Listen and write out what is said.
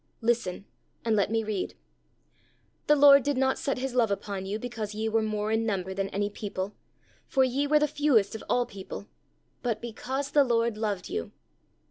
Listen, and let me read: 'The Lord did not set His love upon you because ye were more in number than any people, for ye were the fewest of all people; but because the Lord loved you!'